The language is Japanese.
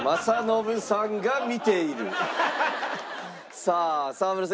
さあ沢村さん